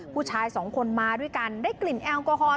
ผู้ชายสองคนมาด้วยกันได้กลิ่นแอลกอฮอล